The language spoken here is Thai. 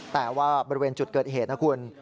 แต่ว่าบริเวณจุดเกิดเหตุนะคุณ